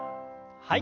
はい。